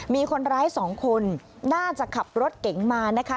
มีคนร้ายสองคนน่าจะขับรถเก๋งมานะคะ